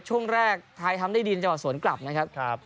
ช่วงแรกไทยทำได้ดีนจังหวัดสวนกลับนะครับ